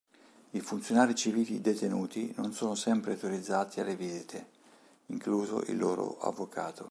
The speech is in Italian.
I funzionari civili detenuti non sono sempre autorizzati alle visite, incluso il loro avvocato.